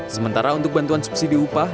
sementara untuk bantuan subsidi upah